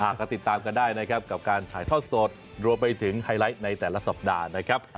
ก็ติดตามกันได้นะครับกับการถ่ายทอดสดรวมไปถึงไฮไลท์ในแต่ละสัปดาห์นะครับ